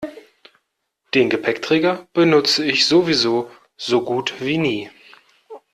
Den Gepäckträger benutze ich sowieso so gut wie nie.